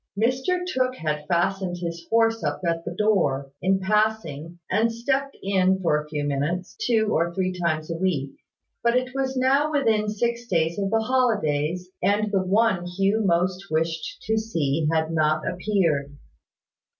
Mr Tooke had fastened his horse up at the door, in passing, and stepped in for a few minutes, two or three times a week: but it was now within six days of the holidays, and the one Hugh most wished to see had not appeared.